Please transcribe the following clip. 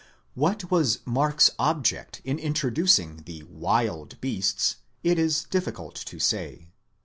δ What was Mark's object in introducing the wild beasts, it is difficult to say.